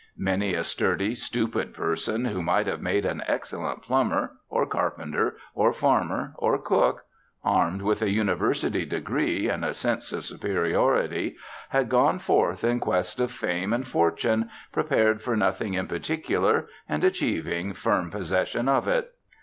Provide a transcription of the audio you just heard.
Many a sturdy, stupid person who might have made an excellent plumber, or carpenter, or farmer, or cook, armed with a university degree and a sense of superiority, had gone forth in quest of fame and fortune prepared for nothing in particular and achieving firm possession of it.